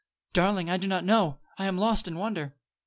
"Darling, I do not know. I am lost in wonder."